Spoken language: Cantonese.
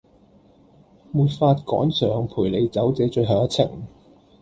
沒法趕上陪你走這最後一程